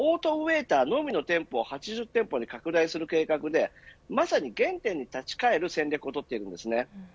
今後、オートウェーターのみの店舗も８０店舗に拡大する計画でまさに原点に立ち返る戦略をとっているんです。